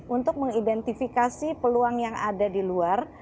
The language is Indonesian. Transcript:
untuk mengidentifikasi peluang yang ada di luar